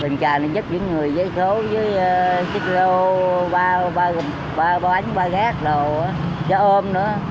bình trà này giúp những người giấy số với chích lô ba bánh ba gác đồ cho ôm nữa